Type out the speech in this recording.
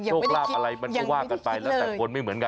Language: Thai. โชคลาภอะไรมันก็ว่ากันไปแล้วแต่คนไม่เหมือนกัน